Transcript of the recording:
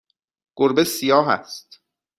گربه سیاه است.